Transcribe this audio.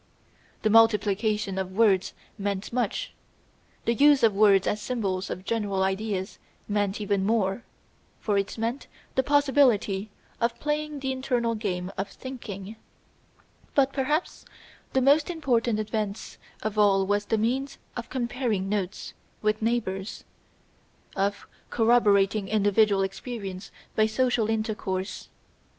The multiplication of words meant much, the use of words as symbols of general ideas meant even more, for it meant the possibility of playing the internal game of thinking; but perhaps the most important advance of all was the means of comparing notes with neighbours, of corroborating individual experience by social intercourse.